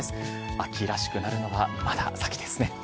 秋らしくなるのはまだ先ですね。